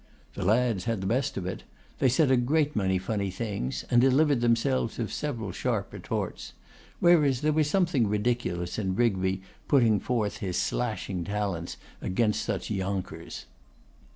The lads had the best of it; they said a great many funny things, and delivered themselves of several sharp retorts; whereas there was something ridiculous in Rigby putting forth his 'slashing' talents against such younkers.